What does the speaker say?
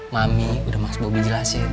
mami udah mas bobi jelasin